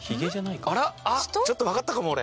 ちょっとわかったかも俺！